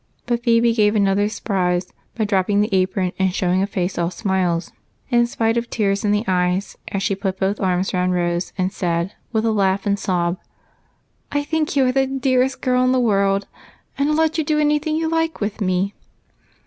But Phebe gave her another surprise, by dropping the apron and showing a face all smiles, in spite of tears in the eyes, as she put both arms round Rose and said, with a laugh and sob, —" I think you are the dearest girl in the world, and I'll let you do any thing you like with me."